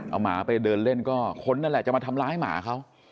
เอาหมาไปเดินเล่นก็คนนั่นแหละจะมาทำร้ายหมาเขา